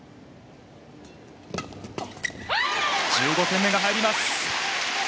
１５点目が入ります。